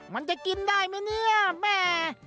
มันจะกินได้ไหมเนี่ยแม่